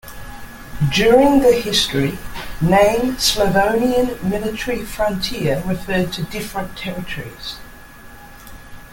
During the history, name Slavonian Military Frontier referred to different territories.